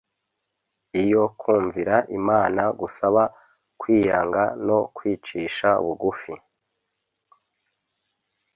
iyo kumvira Imana gusaba kwiyanga no kwicisha bugufi.